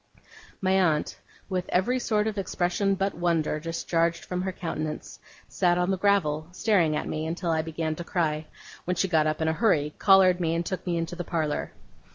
My aunt, with every sort of expression but wonder discharged from her countenance, sat on the gravel, staring at me, until I began to cry; when she got up in a great hurry, collared me, and took me into the parlour.